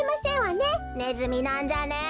ねずみなんじゃね？